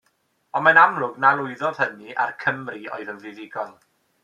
Ond mae'n amlwg na lwyddodd hynny, a'r Cymry oedd yn fuddugol.